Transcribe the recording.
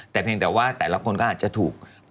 แต่เพียงแต่ว่าแต่ละคนก็อาจจะถูก